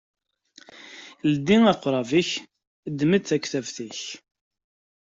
Ldi aqṛab-ik, teddmeḍ-d taktubt-ik!